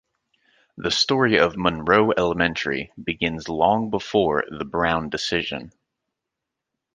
The story of Monroe Elementary begins long before the "Brown" decision.